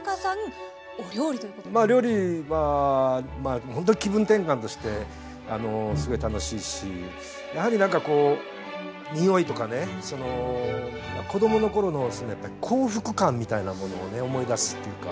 まあ料理はほんとに気分転換としてすごい楽しいしやはり何かこう匂いとかね子供の頃の幸福感みたいなものを思い出すっていうか。